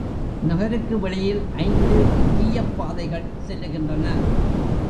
நகருக்கு வெளியில் ஐந்து முக்கியப் பாதைகள் செல்லுகின்றன.